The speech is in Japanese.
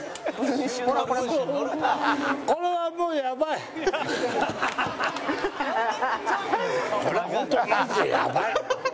これは本当にマジでやばい！